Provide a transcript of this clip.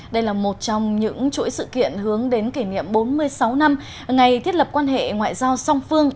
đây là một trong những chuỗi sự kiện hướng đến kỷ niệm bốn mươi sáu năm ngày thiết lập quan hệ ngoại giao song phương